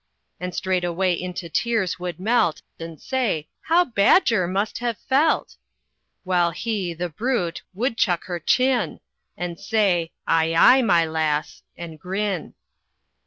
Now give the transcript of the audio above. And straightway into tears would melt, And say, "How badger must have felt!" While he, the brute, woodchuck her chin, And say, "Aye aye, my lass!" and grin.